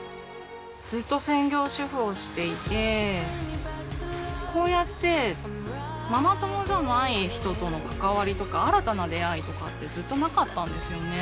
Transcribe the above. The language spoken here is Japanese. ずっと専業主婦をしていてこうやってママ友じゃない人との関わりとか新たな出会いとかってずっとなかったんですよね。